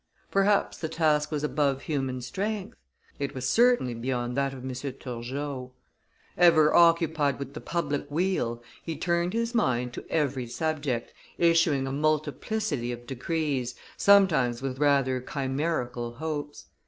Perhaps the task was above human strength; it was certainly beyond that of M. Turgot. Ever occupied with the public weal, he turned his mind to every subject, issuing a multiplicity of decrees, sometimes with rather chimerical hopes.